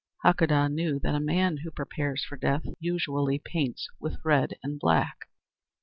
Hakadah knew that a man who prepares for death usually paints with red and black.